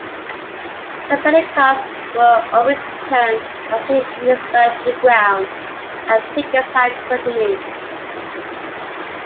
Company cars were overturned, housing units burned to the ground, and pickets have continued.